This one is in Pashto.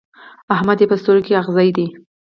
احمد يې په سترګو کې اغزی دی.